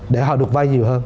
để họ được vay nhiều hơn